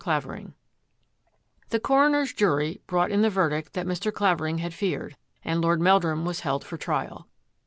CLAVERING The coroner's jury brought in the verdict that Mr. Clavering had feared, and Lord Meldrum was held for trial.